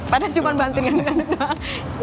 padahal cuma bantuin dengan adek adek doang